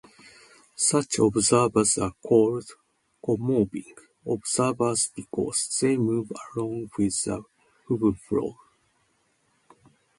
Such observers are called "comoving" observers because they move along with the Hubble flow.